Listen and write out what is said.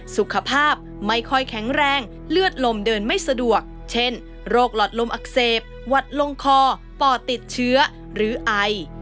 สุขภาพไม่ค่อยแข็งแรงเลือดลมเดินไม่สะดวกเช่นโรคหลอดลมอักเสบหวัดลงคอปอดติดเชื้อหรือไอ